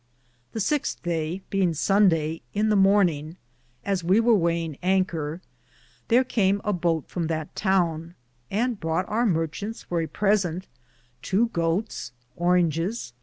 The 6 daye, beinge Sondaye, in the morninge, as we weare wayinge anker, Thare came a boate from that toune, and broughte our marchantes for a presente tow gootes, oringis.